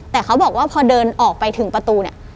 แต่เขาบอกว่าพอเดินออกไปถึงประตูเนี่ย